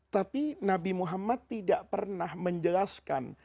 tapi nabi muhammad tidak pernah menjelaskan